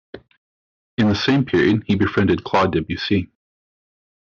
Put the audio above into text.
In the same period he befriended Claude Debussy.